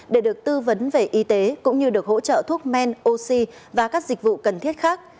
để được tư vấn về y tế cũng như được hỗ trợ thuốc men oxy và các dịch vụ cần thiết khác